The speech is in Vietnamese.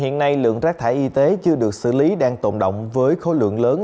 hiện nay lượng rác thải y tế chưa được xử lý đang tồn động với khối lượng lớn